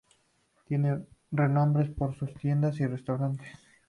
Tiene renombre por sus tiendas y restaurantes.